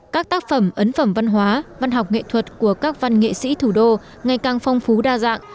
các tác phẩm ấn phẩm văn hóa văn học nghệ thuật của các văn nghệ sĩ thủ đô ngày càng phong phú đa dạng